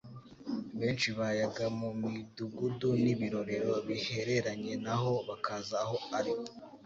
benshi bayaga mu midugudu n'ibirorero bihereranye na ho, bakaza aho ari.